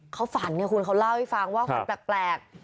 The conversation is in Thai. เขาฝันไงคุณเขาเล่าให้ฟังว่าฝันแปลก